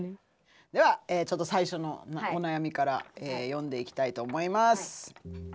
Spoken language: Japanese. ではちょっと最初のお悩みから読んでいきたいと思います。